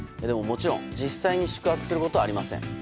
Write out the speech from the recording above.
でも、もちろん実際に宿泊することはありません。